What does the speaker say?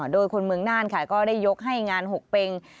โดยคนเมืองน่านค่ะก็ได้ยกให้งานหกเป็ง